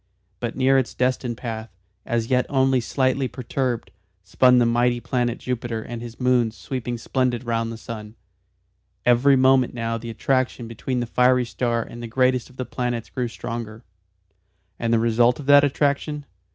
But near its destined path, as yet only slightly perturbed, spun the mighty planet Jupiter and his moons sweeping splendid round the sun. Every moment now the attraction between the fiery star and the greatest of the planets grew stronger. And the result of that attraction?